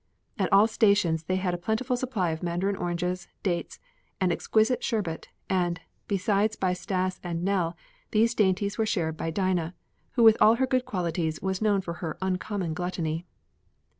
At all stations they had a plentiful supply of mandarin oranges, dates, and exquisite sherbet, and, besides by Stas and Nell, these dainties were shared by Dinah, who with all her good qualities was known for her uncommon gluttony.